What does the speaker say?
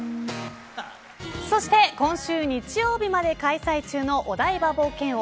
そして今週日曜日まで開催中のお台場冒険王